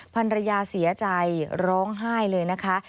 ภรรยาเสียใจร้องไห้เลยนะคะ